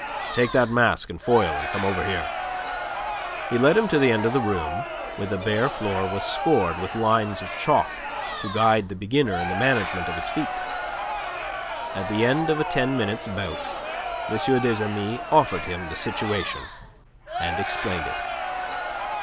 Take that mask and foil, and come over here." He led him to the end of the room, where the bare floor was scored with lines of chalk to guide the beginner in the management of his feet. At the end of a ten minutes' bout, M. des Amis offered him the situation, and explained it.